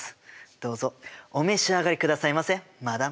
どうぞお召し上がりくださいませマダム。